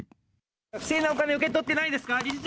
不正なお金を受け取ってないですか、理事長！